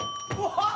・あっ！